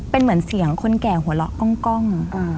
เป็นเหมือนเสียงคนแก่หัวเราะกล้อง